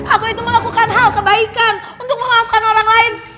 aku itu melakukan hal kebaikan untuk memaafkan orang lain